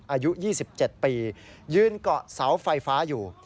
อายุ๒๗ปียืนเกาะเสาไฟฟ้าอยู่